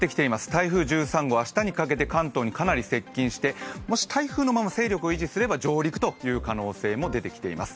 台風１３号、明日にかけて関東に接近してもし台風のまま勢力を維持すれば上陸という可能性も出てきています。